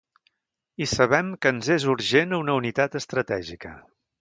I sabem que ens és urgent una unitat estratègica.